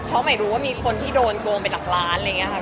เพราะไม่รู้ว่ามีคนที่โดนโกงไปหลักล้านอะไรอย่างนี้ค่ะ